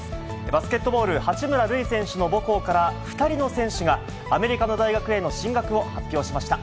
バスケットボール、八村塁選手の母校から、２人の選手が、アメリカの大学への進学を発表しました。